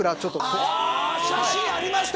写真ありました。